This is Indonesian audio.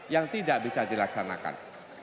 yang tidak bisa dilaksanakan